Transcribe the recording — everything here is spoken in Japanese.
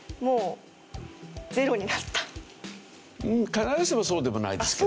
必ずしもそうでもないですけど。